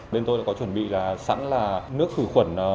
bên tôi đã có chuẩn bị là sẵn là nước khử khuẩn